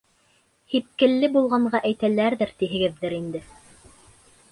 Һипкелле булғанға әйтәләрҙер, тиһегеҙҙер инде.